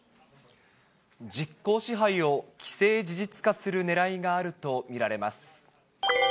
実効支配を既成事実化するねらいがあると見られます。